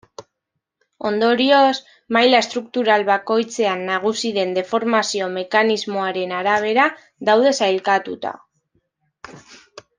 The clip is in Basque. Ondorioz, maila estruktural bakoitzean nagusi den deformazio-mekanismoaren arabera daude sailkatuta.